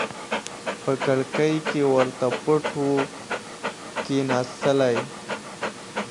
په کړکۍ کي ورته پټ وو کښېنستلی،